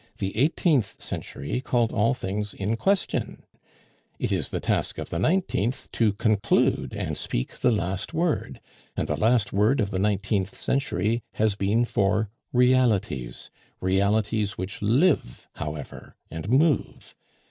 The eighteenth century called all things in question; it is the task of the nineteenth to conclude and speak the last word; and the last word of the nineteenth century has been for realities realities which live however and move.